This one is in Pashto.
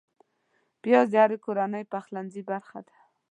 پیاز د هرې کورنۍ پخلنځي برخه ده